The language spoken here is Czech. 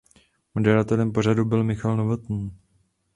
Moderátorem pořadu byl Michal Novotný.